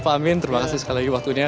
pak amin terima kasih sekali lagi waktunya